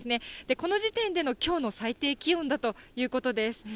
この時点でのきょうの最低気温だということです。